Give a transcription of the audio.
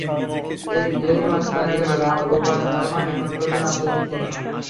এরই মাঝে শোনা গেল, রাম গোপাল ভার্মা নির্মাণ করবেন আন্তর্জাতিক সিনেমা।